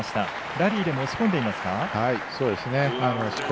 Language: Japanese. ラリーで押し込んでいますか？